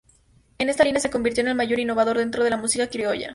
En esta línea se convirtió en el mayor innovador dentro de la música criolla.